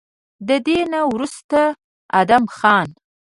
د دې نه وروستو ادم خان